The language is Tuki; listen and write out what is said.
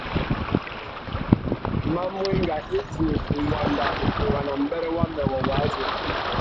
Ma mú enga indi nʼwanda ubungana mbêrê wamê wuwadjú.